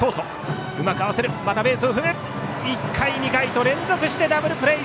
１回、２回と連続してダブルプレー！